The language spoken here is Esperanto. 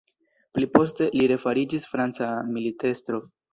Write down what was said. Pliposte, li refariĝis franca militestro.